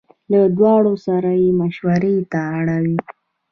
له دواړو سره یې مشوړې ته اړ یو.